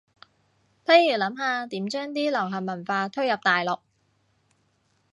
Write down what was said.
不如諗下點將啲流行文化推入大陸